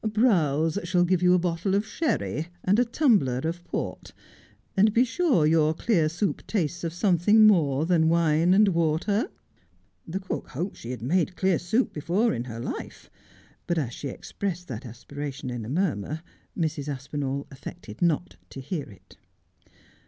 ' Browse shall give you a bottle of sherry, and a tumbler of port, and be sure your clear soup tastes of something more than wine and water.' The cook hoped she had made clear soup before in her life, but as she expressed that aspiration in a murmur, Mrs. Aspinall affected not to hear it.